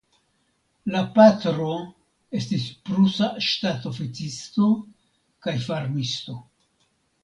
La patro estis prusa ŝtatoficisto kaj farmisto.